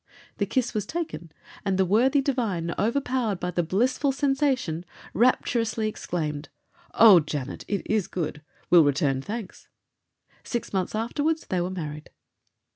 The kiss was taken, and the worthy divine, overpowered by the blissful sensation, rapturously exclaimed: "Oh! Janet, it is gude. We'll return thanks." Six months afterwards they were married.